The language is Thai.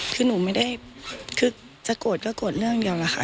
คือหนูไม่ได้คือจะโกรธก็โกรธเรื่องเดียวนะคะ